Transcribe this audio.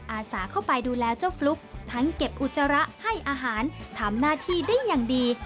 อาสาเข้าไปดูแลเจ้าฟลุ๊กทั้งเก็บอุจจาระให้อาหารทำหน้าที่ได้อย่างดี